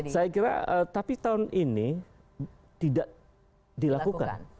saya kira tapi tahun ini tidak dilakukan